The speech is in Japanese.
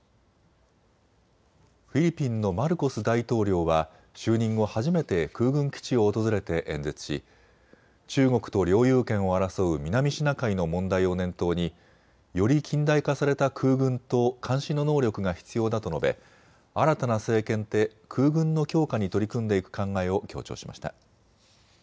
フィリピンのマルコス大統領は就任後、初めて空軍基地を訪れて演説し中国と領有権を争う南シナ海の問題を念頭により近代化された空軍と監視の能力が必要だと述べ新たな政権で空軍の強化に取り組んでいく考えを強調しました。